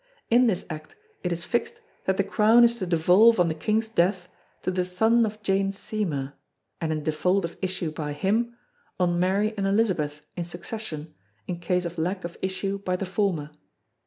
In this Act it is fixed that the Crown is to devolve on the King's death to the son of Jane Seymour and in default of issue by him, on Mary and Elizabeth in succession in case of lack of issue by the former.